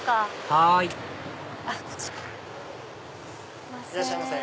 はいいらっしゃいませ。